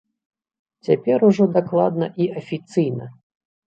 Цяпер ужо дакладна і афіцыйна!